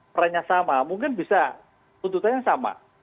perannya sama mungkin bisa tuntutannya sama